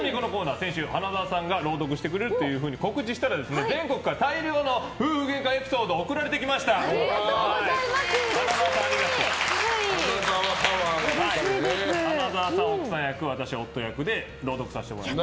先週、花澤さんが朗読してくれると告知したら全国から大量の夫婦げんかエピソードがありがとうございます。